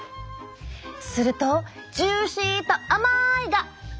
するとジューシーと甘いが。